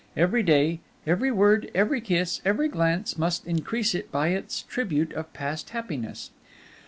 Every day, every word, every kiss, every glance, must increase it by its tribute of past happiness.